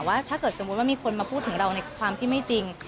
ถ้าเกิดสมมุติว่ามีคนมาพูดถึงเราในความที่ไม่จริง